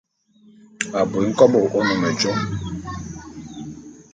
Abui nkôbo o ne medjo.